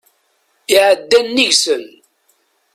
Iɛedda nnig-sen.